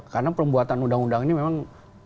karena pembuatan undang undang ini memang